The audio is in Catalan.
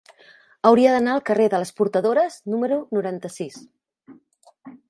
Hauria d'anar al carrer de les Portadores número noranta-sis.